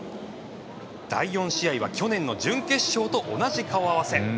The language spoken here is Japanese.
第４試合は去年の準決勝と同じ顔合わせ。